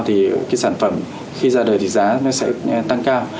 thì cái sản phẩm khi ra đời thì giá nó sẽ tăng cao